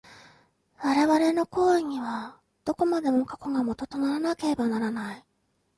我々の行為には、どこまでも過去が基とならなければならない。